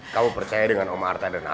kamu percaya dengan om arta dan alvif kan